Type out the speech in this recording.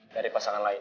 dari pasangan lain